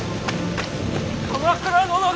鎌倉殿が。